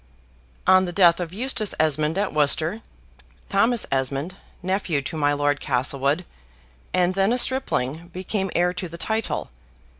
On the death of Eustace Esmond at Worcester, Thomas Esmond, nephew to my Lord Castlewood, and then a stripling, became heir to the title.